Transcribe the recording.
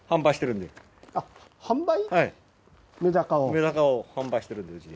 メダカを販売してるんで家で。